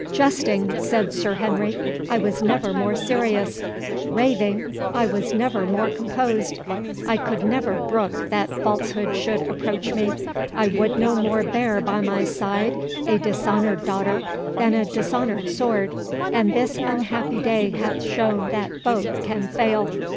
"Jesting!" said Sir Henry, "I was never more serious—Raving!—I was never more composed—I could never brook that falsehood should approach me—I would no more bear by my side a dishonoured daughter than a dishonoured sword; and this unhappy day hath shown that both can fail."